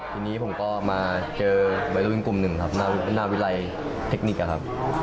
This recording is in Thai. ทีนี้ผมก็มาเจอวัยรุ่นกลุ่มหนึ่งครับหน้าวิรัยเทคนิคอะครับ